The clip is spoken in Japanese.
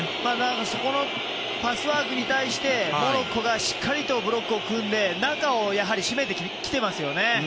そこのパスワークに対してモロッコがしっかりとブロックを組んで中を締めてきていますよね。